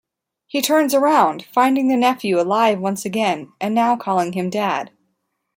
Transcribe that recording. He turns around, finding the nephew alive once again, and now calling him Dad.